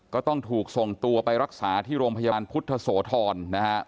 ก็ต้องถูกส่งตัวไปรักษาที่โรงพยาบาลพุทธโสธรนะฮะ